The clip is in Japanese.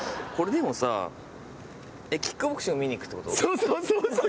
そうそうそうそう！